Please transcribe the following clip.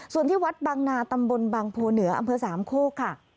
ส่วนที่วัดบางนาตำบลบางโพเหนืออำเภอสามโคกค่ะ